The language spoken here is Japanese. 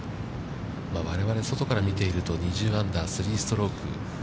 我々、外から見ていると、２０アンダー、３ストローク。